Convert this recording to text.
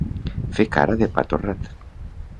Fer cara de pa torrat.